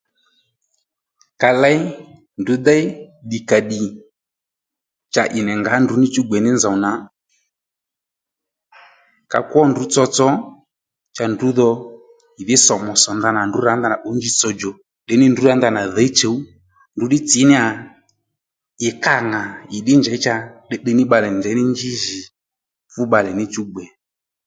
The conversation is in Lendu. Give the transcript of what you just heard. Ka léy ndrǔ déy ddìkàddì cha ì nì ngǎ ndrǔ níchú nì nzów nà ka kwó ndrǔ tsotso cha ndrǔ dho ìdhí sòmù sò ndanà ndaní ndrǔ rǎ ndanà pbǔw njitsò djò ndrǔ rǎ ndanà dhǐy chùw ndrǔ ddí tsǐ níyà ì kâ ŋà ì ddí njěy cha tdiytdiy ní bbalè nì njěy nì njí jì fú bbalè níchú gbè